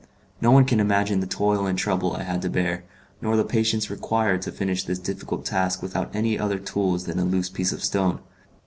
No one can imagine the toil and trouble I had to bear, nor the patience required to finish this difficult task without any other tools than a loose piece of stone.